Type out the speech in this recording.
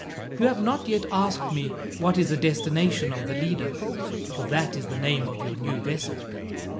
You have not yet asked me what is the destination of the Lido, for that is the name of your new vessel.